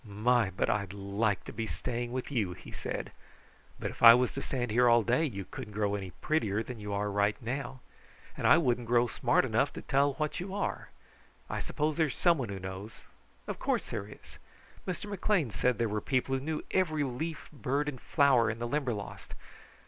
"My, but I'd like to be staying with you!" he said. "But if I was to stand here all day you couldn't grow any prettier than you are right now, and I wouldn't grow smart enough to tell what you are. I suppose there's someone who knows. Of course there is! Mr. McLean said there were people who knew every leaf, bird, and flower in the Limberlost.